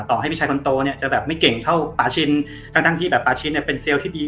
ต่อให้พี่ชายคนโตเนี่ยจะแบบไม่เก่งเท่าปาชินทั้งที่แบบปาชินเนี่ยเป็นเซลล์ที่ดี